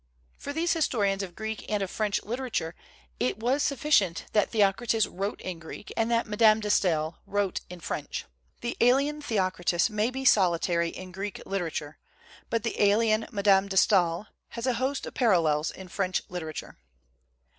For these historians of Greek and of French literature it was sufficient that Theocritus wrote in Greek and that Madame de Stael wrote in French. The alien Theocritus may be solitary in Greek literature, but the alien Madame de Stael has a host of parallels in French literature.